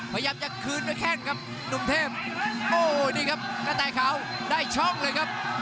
พยายามจะคืนแค้งครับหนุ่มเทพโอ้โหนี่ครับกระต่ายขาวได้ช้องเลยครับ